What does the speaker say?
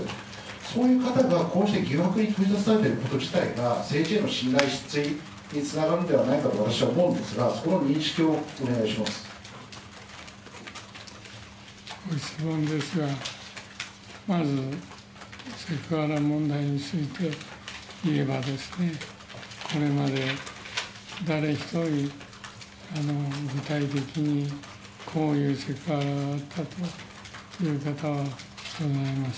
そういう方が、こうしてされていること自体が、政権への信頼、失墜につながるんではないかと私は思うんですが、その認識をお願まずセクハラ問題についていえばですね、これまで誰一人、具体的に、こういうセクハラがということは。